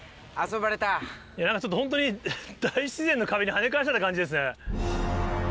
なんかちょっと本当に、大自然の壁にはね返された感じですね。